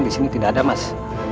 di sini tidak ada mas